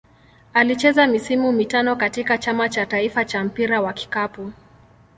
Alicheza misimu mitano katika Chama cha taifa cha mpira wa kikapu.